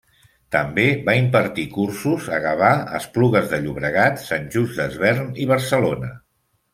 També va impartir cursos a Gavà, Esplugues de Llobregat, Sant Just Desvern i Barcelona.